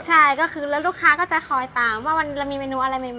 ใช่ก็คือแล้วลูกค้าก็จะคอยตามว่าเรามีเมนูอะไรใหม่